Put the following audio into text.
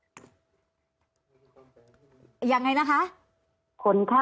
ทำไมในข่าวเหมือนกับพุ่งไปที่เขาสักคนเดียวเลยคะ